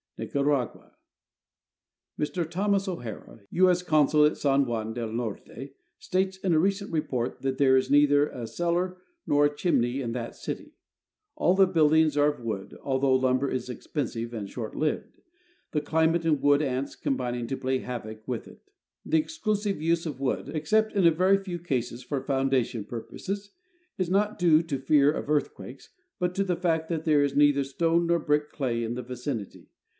Nicaragua. Mr Thomas O'Hara, U. S. consul at San Juan del Norte, states in a recent report that there is neither a cellar nor a chimney in that city. All the buildings are of wood, although lumber is expensive and short lived, the climate and wood ants combining to play havoc with it. The exclusive use of wood (except in a very few cases for foundation purposes) is not due to fear of earthquakes, but to the fact that there is neither stone nor brick clay in the vicinity.